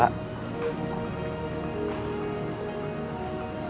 aku juga seneng